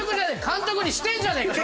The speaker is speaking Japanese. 監督にしてんじゃねえか！